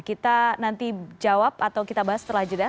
kita nanti jawab atau kita bahas setelah aja deh